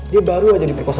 dia baru aja diperkosa